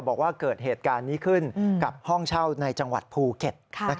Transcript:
บอกว่าเกิดเหตุการณ์นี้ขึ้นกับห้องเช่าในจังหวัดภูเก็ต